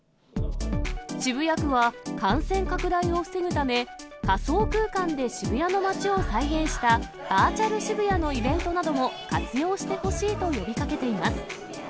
渋谷区は、感染拡大を防ぐため、仮想空間で渋谷の街を再現したバーチャル渋谷のイベントなども活用してほしいと呼びかけています。